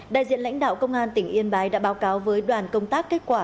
đại diện lãnh đạo công an tỉnh yên bái đã báo cáo với đoàn công tác kết quả